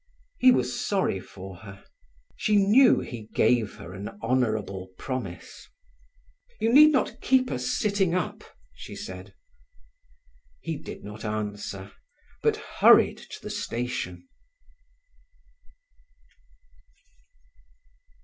He was sorry for her. She knew he gave her an honourable promise. "You need not keep us sitting up," she said. He did not answer, but hurried to the station.